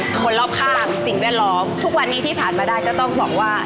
คนรอบข้างสิ่งแวดล้อมทุกวันนี้ที่ผ่านมาได้ก็ต้องบอกว่า